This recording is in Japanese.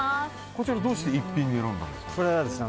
こちらはどうして逸品に選んだんですか？